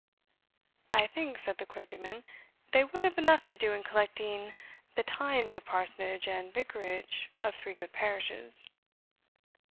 "I think," said the clergyman, "they would have enough to do in collecting the teinds of the parsonage and vicarage of three good parishes."